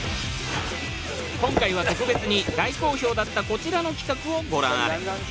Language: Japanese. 今回は特別に大好評だったこちらの企画をご覧あれ